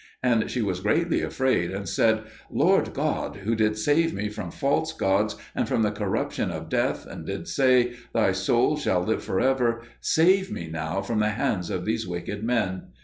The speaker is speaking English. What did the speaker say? And she was greatly afraid, and said, "Lord God, who didst save me from false gods and from the corruption of death, and didst say, 'Thy soul shall live for ever,' save me now from the hands of these wicked men!"